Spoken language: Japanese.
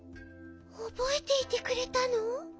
おぼえていてくれたの？